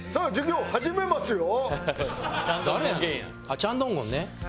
チャンドンゴンゲンや。